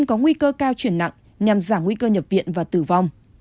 cơ cao chuyển nặng nhằm giảm nguy cơ nhập viện và tử vong